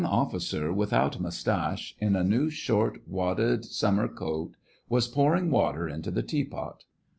officer, without moustache, in a new, short, wadded summer coat, was pouring water into the teapot.